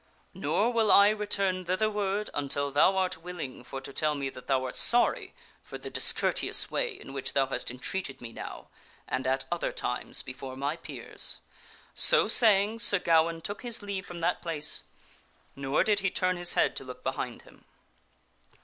Nor will I return thitherward until thou art willing for to tell me that thou art sorry for the discourteous way in which thou hast entreated me now and at other times before my peers." So saying, Sir Gawaine took his leave from that place, nor did he turn his head to look behind him.